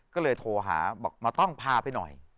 ก็เลยโทรหาบอกมาต้องพาไปหน่อย